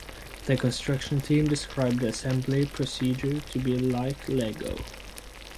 The construction team described the assembly procedure to be "like Lego".